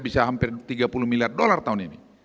bisa hampir tiga puluh miliar dolar tahun ini